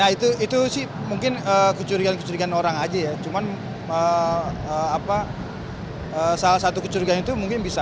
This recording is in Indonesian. itu itu sih mungkin kecurigaan kecurigaan orang aja ya cuman apa salah satu kecurigaan itu mungkin bisa